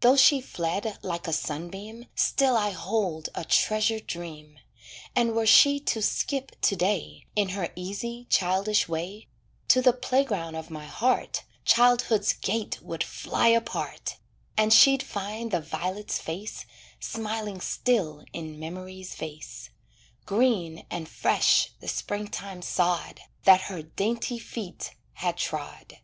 Though she fled like a sunbeam, Still I hold a treasured dream, And were she to skip to day, In her easy, childish way, To the playground of my heart, Childhood's gate would fly apart, And she'd find the violet's face, Smiling still in memory's vase; Green and fresh the springtime sod, That her dainty feet had trod.